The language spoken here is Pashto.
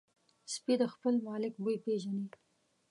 سپي د خپل مالک بوی پېژني.